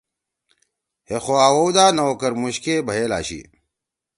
ہے خو آوؤ دا نوکر مُوشکے بھئیل آشی۔